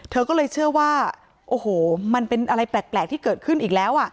เธอก็เลยเชื่อว่าโอ้โหมันเป็นอะไรแปลกที่เกิดขึ้นอีกแล้ว